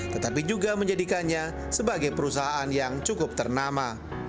tetapi juga menjadikannya sebagai perusahaan yang cukup ternama